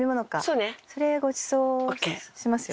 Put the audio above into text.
それごちそうしますよ。